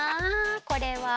これは。